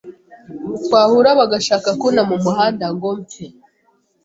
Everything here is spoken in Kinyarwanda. twahura bagashaka kunta mu muhanda ngo mpfe